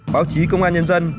báo chí công an nhân dân